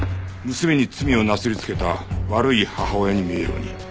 娘に罪をなすりつけた悪い母親に見えるように。